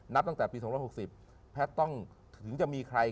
ตั้งแต่ปี๒๖๐แพทย์ต้องถึงจะมีใคร